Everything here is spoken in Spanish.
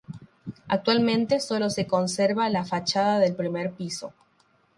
Actualmente sólo se conserva la fachada del primer piso.